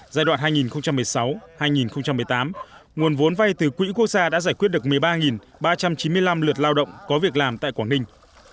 giai đoạn hai nghìn một mươi sáu hai nghìn một mươi tám nguồn vốn vay từ quỹ quốc gia đã giải quyết được một mươi ba ba trăm chín mươi năm lượt lao động có việc làm tại quảng ninh